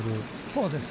そうです。